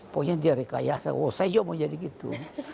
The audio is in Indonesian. pokoknya dia rekayasa oh saya mau jadi gitu